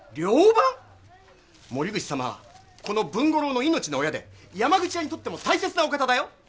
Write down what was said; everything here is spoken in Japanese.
森口様はこの文五郎の命の親で山口屋にとっても大切なお方だよ。